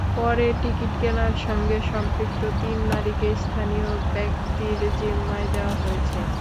পরে টিকিট কেনার সঙ্গে সম্পৃক্ত তিন নারীকে স্থানীয় ব্যক্তির জিম্মায় দেওয়া হয়েছে।